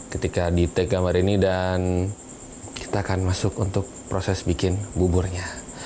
ketika di take gambar ini dan kita akan masuk untuk proses bikin buburnya